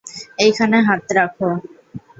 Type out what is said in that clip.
এইখানে হাত রাখো।